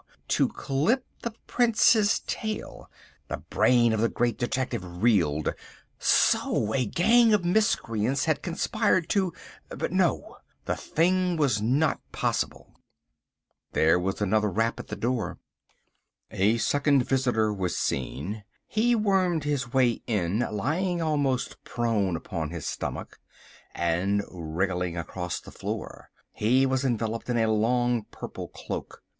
To clip the Prince's tail! The brain of the Great Detective reeled. So! a gang of miscreants had conspired to—but no! the thing was not possible. There was another rap at the door. A second visitor was seen. He wormed his way in, lying almost prone upon his stomach, and wriggling across the floor. He was enveloped in a long purple cloak.